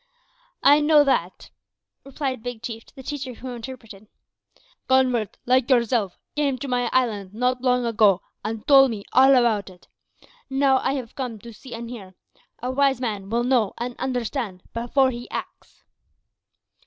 "I know that," replied Big Chief to the teacher who interpreted; "converts, like yourself, came to my island not long ago, and told me all about it. Now I have come to see and hear. A wise man will know and understand before he acts."